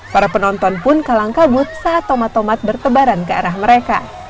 para penonton pun kalang kabut saat tomat tomat bertebaran ke arah mereka